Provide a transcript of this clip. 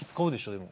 でも。